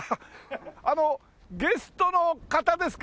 あのゲストの方ですか？